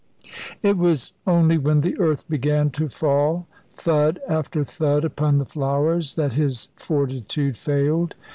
It was only when the earth began to fall thud after thud upon the flowers that his fortitude failed.